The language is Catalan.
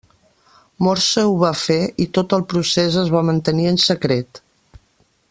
Morse ho va fer, i tot el procés es va mantenir en secret.